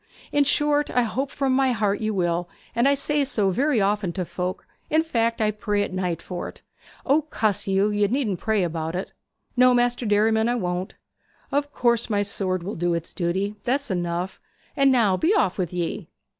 In short, I hope from my heart you will be, and I say so very often to folk in fact, I pray at night for't.' 'O! cuss you! you needn't pray about it.' 'No, Maister Derriman, I won't.' 'Of course my sword will do its duty. That's enough. And now be off with ye.'